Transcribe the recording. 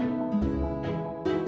ya kita ke sekolah